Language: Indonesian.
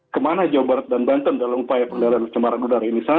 kemana jawa barat dan banten dalam upaya pengendalian pencemaran udara ini